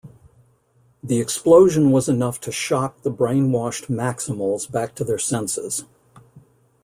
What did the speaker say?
The explosion was enough to shock the brainwashed Maximals back to their senses.